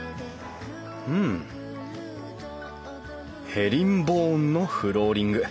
ヘリンボーンのフローリング。